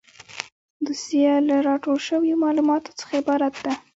دوسیه له راټول شویو معلوماتو څخه عبارت ده.